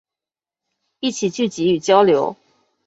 一起聚集与交流